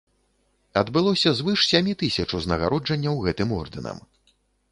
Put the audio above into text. Адбылося звыш сямі тысяч узнагароджанняў гэтым ордэнам.